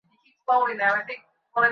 চলো, যেটা আমরা করছিলাম, করি!